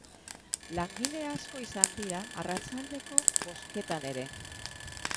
Langile asko izan dira arratsaldeko bozketan ere.